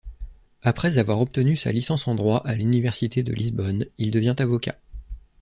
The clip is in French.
Après avoir obtenu sa licence en droit à l'université de Lisbonne, il devient avocat.